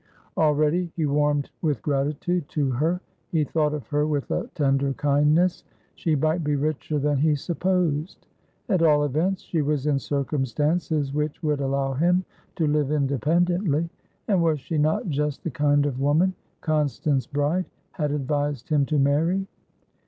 Already he warmed with gratitude to her: he thought of her with a tender kindness. She might be richer than he supposed; at all events, she was in circumstances which would allow him to live independently. And was she not just the kind of woman Constance Bride had advised him to marry?